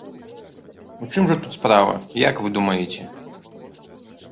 У чым жа тут справа, як вы думаеце?